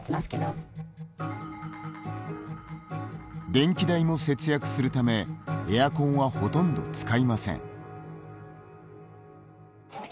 電気代も節約するためエアコンはほとんど使いません。